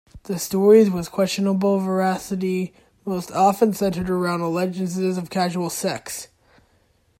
The stories with questionable veracity most often centered around alleged incidents of casual sex.